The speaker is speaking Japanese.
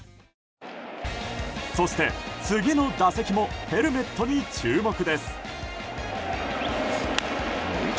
そして、次の打席もヘルメットに注目です。